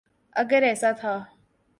اگر ایسا تھا۔